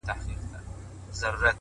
بار يم د ژوند په اوږو ځمه له جنجاله وځم-